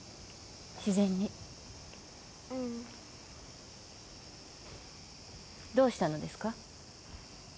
自然にうんどうしたのですか？